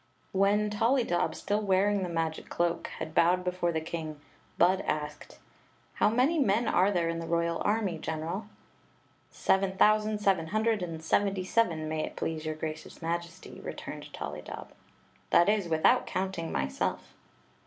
When Tollydob, still wearing the magic cloak, had bowed before the king. Bud asked : "How many men are there in the royal army, general?" "Seven thousand seven hundred and seventy seven, may it please your gracious Majesty,' returned Tolly dob — "that is, without counting myself."